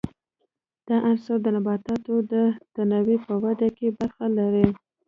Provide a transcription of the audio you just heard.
دا عنصر د نباتاتو د تنو په ودې کې برخه لري.